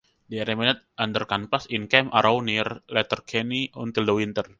They remained under canvas in Camp Arrow near Letterkenny until the winter.